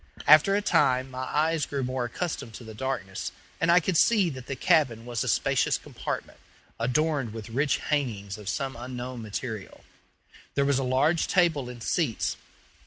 After a time my eyes grew more accustomed to the darkness, and I could see that the cabin was a spacious compartment, adorned with rich hangings of some unknown material. There was a large table and seats.